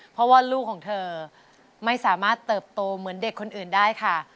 เพราะว่าลูกของเธอไม่สามารถเติบโตเหมือนเด็กคนอื่นได้ค่ะ